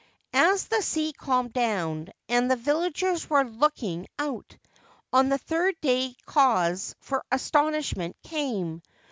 As the sea calmed down and the villagers were looking out, on the third day cause for astonishment came.